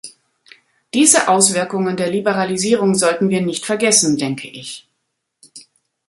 Diese Auswirkungen der Liberalisierung sollten wir nicht vergessen, denke ich.